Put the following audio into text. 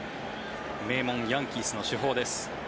名門ヤンキースの主砲です。